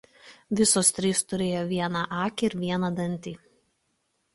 Visos trys turėjo vieną akį ir vieną dantį.